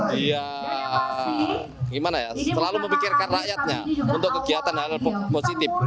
dia selalu memikirkan rakyatnya untuk kegiatan hal positif